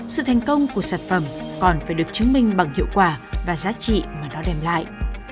sự thành công của sản phẩm còn phải được chứng minh bằng hiệu quả và giá trị mà nó đem lại